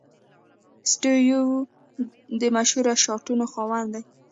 سټیو وا د مشهور شاټسونو خاوند دئ.